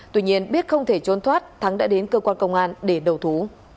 tuy nhiên biết không thể trốn thoát thắng đã đến cơ quan công an để đầu thú